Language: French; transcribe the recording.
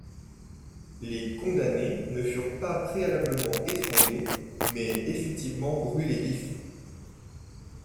Les condamnés ne furent pas préalablement étranglés, mais effectivement brûlés vifs.